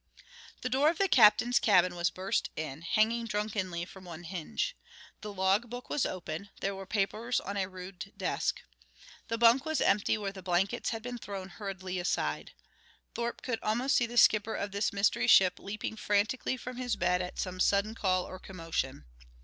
The door of the captain's cabin was burst in, hanging drunkenly from one hinge. The log book was open; there were papers on a rude desk. The bunk was empty where the blankets had been thrown hurriedly aside. Thorpe could almost see the skipper of this mystery ship leaping frantically from his bed at some sudden call or commotion.